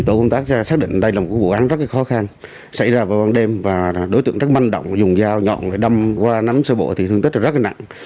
tổ công tác xác định đây là một vụ án rất khó khăn xảy ra vào ban đêm và đối tượng rất manh động dùng dao nhọn để đâm qua nắm sơ bộ thì thương tích rất là nặng